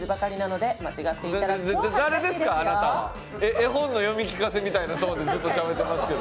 絵本の読み聞かせみたいなトーンでずっとしゃべってますけど。